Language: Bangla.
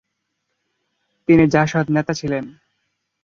তিনি জাসদ নেতা ছিলেন।